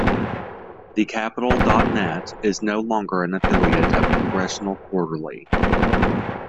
TheCapitol.Net is no longer an affiliate of Congressional Quarterly.